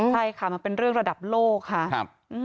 ใช่ค่ะมันเป็นเรื่องระดับโลกค่ะ